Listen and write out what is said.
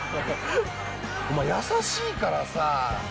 お前、優しいからさ。